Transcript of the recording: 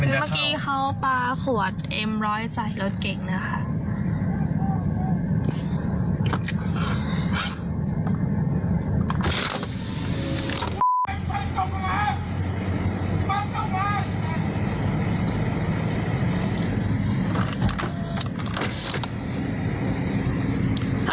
เมื่อกี้เขาปลาขวดเอ็มรอยด์ใส่รถเกงนะครับ